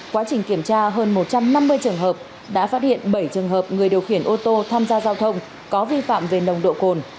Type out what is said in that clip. quá trình kiểm tra hơn một trăm năm mươi trường hợp đã phát hiện bảy trường hợp người điều khiển ô tô tham gia giao thông có vi phạm về nồng độ cồn